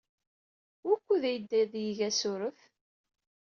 Wukud ay yedda ad yeg asurf?